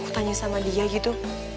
tanya sama dia gitu